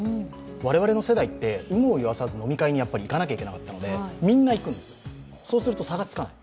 我々の世代って有無を言わさず飲み会に行かなきゃいけなかったのでみんないくんですよ、そうすると差がつかない。